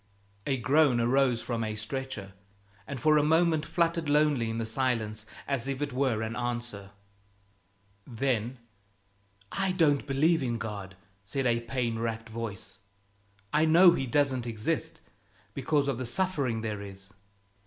A groan arose from a stretcher, and for a moment fluttered lonely in the silence as if it were an answer. Then, "I don't believe in God," said a pain racked voice; "I know He doesn't exist because of the suffering there is.